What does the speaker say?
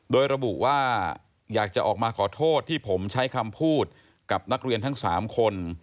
โดยระบุว่าอยากจะออกมาขอโทษที่ผมใช้คำพูดกับนักเรียนทั้ง๓คน